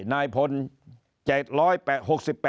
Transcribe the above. นายพล๗๘๘นาที